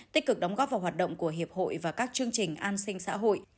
tích cực đóng góp vào hoạt động của hiệp hội và các chương trình an sinh xã hội